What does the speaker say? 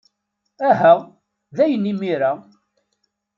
Aha, dayen imir-a.